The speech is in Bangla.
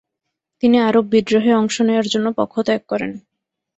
তিনি আরব বিদ্রোহে অংশ নেয়ার জন্য পক্ষ ত্যাগ করেন।